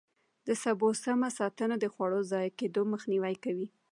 د سبو سمه ساتنه د خوړو ضایع کېدو مخنیوی کوي.